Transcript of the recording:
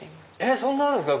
そんなあるんですか